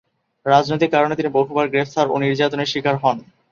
রাজনৈতিক কারণে তিনি বহুবার গ্রেফতার ও নির্যাতনের শিকার হন।